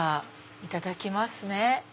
いただきます。